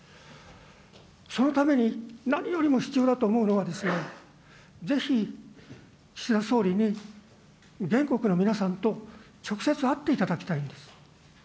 そのために何よりも必要だと思うのはですね、ぜひ岸田総理に原告の皆さんと直接会っていただきたいんです。